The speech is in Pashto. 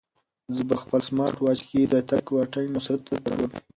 زه په خپل سمارټ واچ کې د تګ واټن او سرعت ګورم.